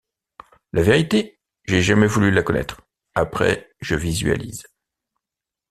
La vérité, j’ai jamais voulu la connaître : après, je visualise.